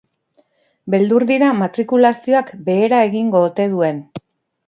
Beldur dira matrikulazioak behera egingo ote duen.